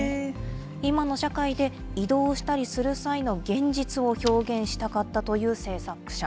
今の社会で、移動したりする際に、現実を表現したかったという制作者。